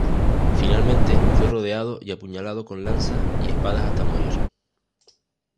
Finalmente fue rodeado y apuñalado con lanzas y espadas hasta morir.